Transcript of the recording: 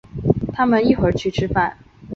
他们一会儿去吃饭。